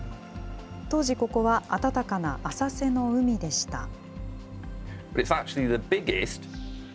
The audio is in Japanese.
当時、ここは暖かな浅瀬の海でした。